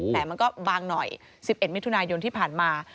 แผลมันก็บางหน่อย๑๑มิถุนายนที่ผ่านมา